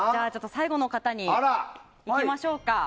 最後の方にいきましょうか。